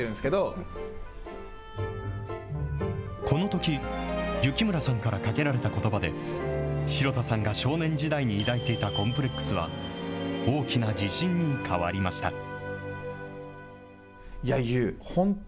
このとき、幸村さんからかけられたことばで、城田さんが少年時代に抱いていたコンプレックスは、大きな自信に変わりました。